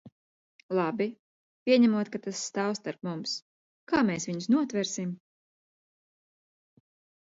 Labi, pieņemot, ka tas stāv starp mums, kā mēs viņus notversim?